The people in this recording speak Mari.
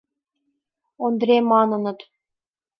— Ондре маныныт.